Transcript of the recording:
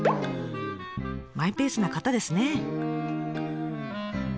マイペースな方ですね。